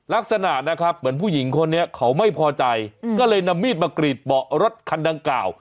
ลักษณะนะครับเหมือนผู้หญิงคนนี้เขาไม่พอใจก็เลยนำมีดมากรีดเบาะรถคันดังกล่าว